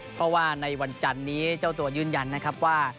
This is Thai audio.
เพราะว่าในวันจันนี้เจ้าตัวยืนยันนะครับว่า